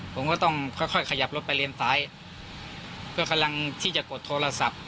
ผมก็ต้องค่อยค่อยขยับรถไปเลนซ้ายเพื่อกำลังที่จะกดโทรศัพท์